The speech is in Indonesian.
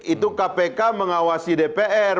itu kpk mengawasi dpr